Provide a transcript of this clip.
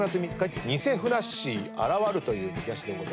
「偽ふなっしー現る‼」という見出しでございます。